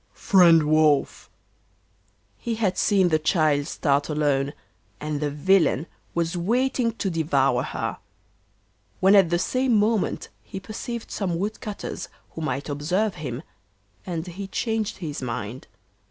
'Friend Wolf.' He had seen the child start alone, and the villain was waiting to devour her; when at the same moment he perceived some wood cutters who might observe him, and he changed his mind.